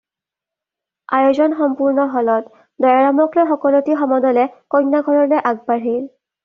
আযোজন সম্পূৰ্ণ হ'লত দয়াৰামক লৈ সকলোটি সমদলে কন্যা ঘৰলৈ আগ বাঢ়িল।